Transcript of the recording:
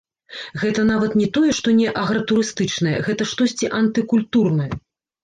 Гэта нават не тое, што не агратурыстычнае, гэта штосьці антыкультурнае.